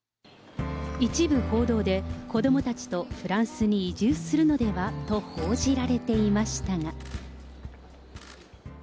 一部報道で、子どもたちとフランスに移住するのでは？と報じられていましたが。